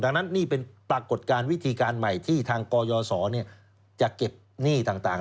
ดังนั้นนี่เป็นปรากฏการณ์วิธีการใหม่ที่ทางกยศจะเก็บหนี้ต่าง